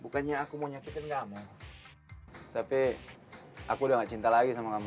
bukannya aku mau nyakitin kamu tapi aku udah gak cinta lagi sama kamu